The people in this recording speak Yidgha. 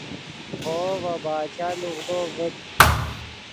خوو ڤے باچا لوغدو ڤد